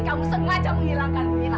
kamu sengaja menghilangkan mila